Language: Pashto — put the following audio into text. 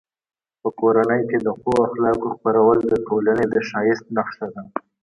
په کورنۍ کې د ښو اخلاقو خپرول د ټولنې د ښایست نښه ده.